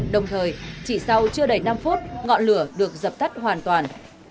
đồng thời chỉ sau chưa đầy năm phút ngọn lửa được dập tắt hoàn toàn